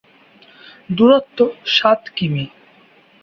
দুরত্ব সাত কিমি।